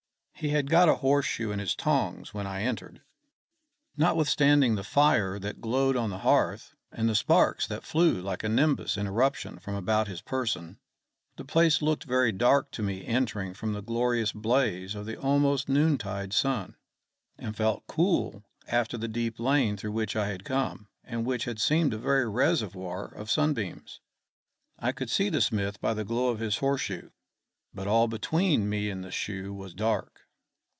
He had got a horse shoe in his tongs when I entered. Notwithstanding the fire that glowed on the hearth, and the sparks that flew like a nimbus in eruption from about his person, the place looked very dark to me entering from the glorious blaze of the almost noontide sun, and felt cool after the deep lane through which I had come, and which had seemed a very reservoir of sunbeams. I could see the smith by the glow of his horse shoe; but all between me and the shoe was dark.